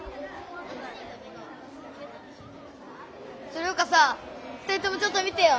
それよかさ２人ともちょっと見てよ。